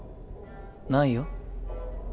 ないよ。